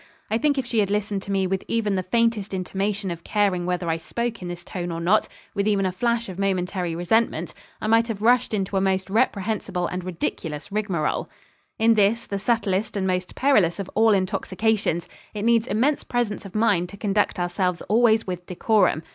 I think if she had listened to me with even the faintest intimation of caring whether I spoke in this tone or not, with even a flash of momentary resentment, I might have rushed into a most reprehensible and ridiculous rigmarole. In this, the subtlest and most perilous of all intoxications, it needs immense presence of mind to conduct ourselves always with decorum.